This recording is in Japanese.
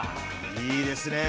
いいですねえ。